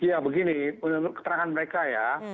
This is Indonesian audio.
ya begini menurut keterangan mereka ya